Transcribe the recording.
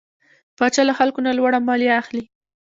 پاچا له خلکو نه لوړه ماليه اخلي .